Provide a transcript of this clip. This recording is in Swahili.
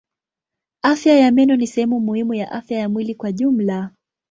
Afya ya meno ni sehemu muhimu ya afya ya mwili kwa jumla.